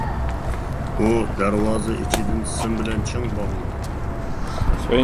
ئۇ دەرۋازا ئىچىدىن سىم بىلەن چىڭ باغلىدى.